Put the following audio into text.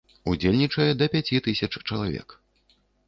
Удзельнічае да пяці тысяч чалавек.